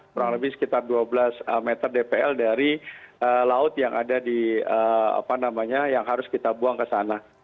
kurang lebih sekitar dua belas meter dpl dari laut yang ada di apa namanya yang harus kita buang ke sana